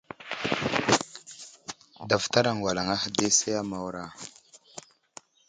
Daftar aŋgalaŋ ahe di say a Mawra.